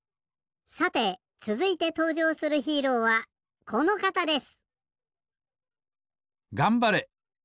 さてつづいてとうじょうするヒーローはこのかたです。